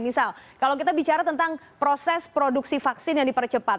misal kalau kita bicara tentang proses produksi vaksin yang dipercepat